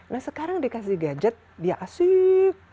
nah sekarang dikasih gadget dia asyik